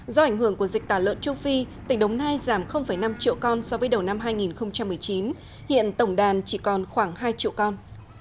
do ảnh hưởng của dịch tả lợn châu phi tỉnh đồng nai giảm năm triệu con so với đầu năm hai nghìn một mươi chín hiện tổng đàn chỉ còn khoảng hai triệu con